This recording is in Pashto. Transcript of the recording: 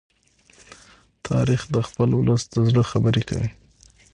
تاریخ د خپل ولس د زړه خبره کوي.